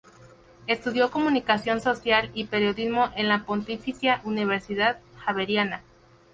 Estudió Comunicación Social y Periodismo en la Pontificia Universidad Javeriana.